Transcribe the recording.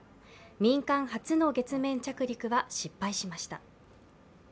民間初の月面着陸は失敗しました。